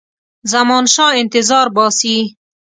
زمانشاه انتظار باسي.